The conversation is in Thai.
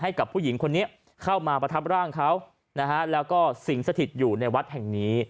ให้กับผู้หญิงคนนี้เข้ามาประทับร่างเขานะฮะแล้วก็สิงสถิตอยู่ในวัดแห่งนี้